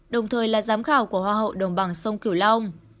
đồng thời là giám khảo của hoa hậu đồng bằng sông cửu long